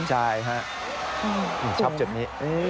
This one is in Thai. ใช่ครับชอบจุดนี้